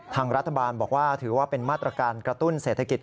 ทางรัฐบาลบอกว่าถือว่าเป็นมาตรการกระตุ้นเศรษฐกิจ